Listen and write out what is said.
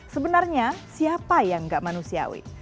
sebenarnya siapa yang nggak manusiawi